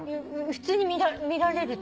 普通に見られる鳥？